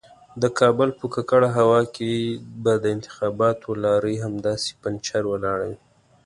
د کابل په ککړه هوا کې به د انتخاباتو لارۍ همداسې پنجر ولاړه وي.